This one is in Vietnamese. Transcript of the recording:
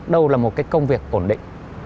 đâu là một cái công việc ổn định